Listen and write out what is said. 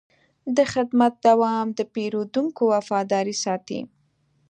د خدمت دوام د پیرودونکو وفاداري ساتي.